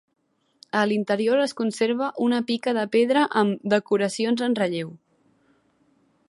A l'interior es conserva una pica de pedra amb decoracions en relleu.